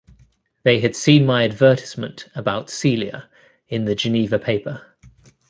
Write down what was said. They had seen my advertisement about Celia in the Geneva paper.